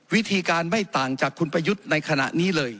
วิธีการไม่ต่างจากคุณประยุทธ์ในขณะนี้เลย